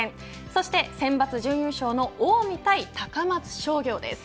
そしてセンバツ準優勝の近江対高松商業です。